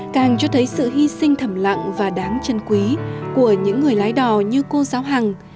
càng cho thấy sự hy sinh thầm lặng và đáng chân quý của những người lái đò như cô giáo hằng